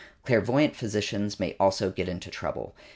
Clairvoyant physicians may also get into trouble.